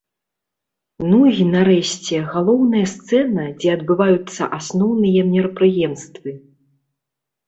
Ну і, нарэшце, галоўная сцэна, дзе адбываюцца асноўныя мерапрыемствы.